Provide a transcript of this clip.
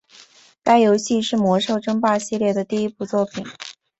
该游戏是魔兽争霸系列的第一部作品。